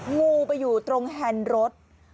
งูไปอยู่ตรงแห่นรถ